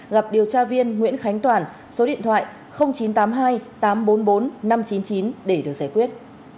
gặp điều tra viên nguyễn khánh toàn số điện thoại chín trăm tám mươi hai tám trăm bốn mươi bốn năm trăm chín mươi chín để được giải quyết